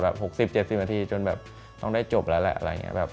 ๖๐๗๐นาทีจนแบบต้องได้จบแล้วแหละอะไรอย่างนี้แบบ